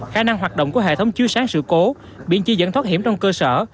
khả năng hoạt động của hệ thống chứa sáng sự cố biện chi dẫn thoát hiểm trong cơ sở